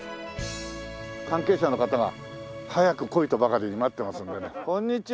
関係者の方が早く来いとばかりに待ってますんでね。